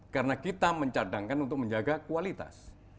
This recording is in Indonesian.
karena kita mencadangkan untuk menjaga kualitas